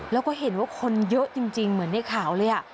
แล้วก็เห็นว่าคนเยอะจริงเหมือนในข่าวเลย